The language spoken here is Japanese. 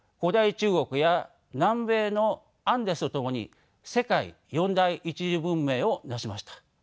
中国や南米のアンデスと共に世界四大一次文明を成しました。